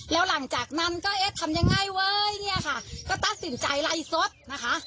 แล้วหลังจากนั้นก็เอ๊ะทำยังไงเว้ยเนี่ยค่ะก็ตัดสินใจไล่สดนะคะ